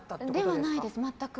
ではないです、全く。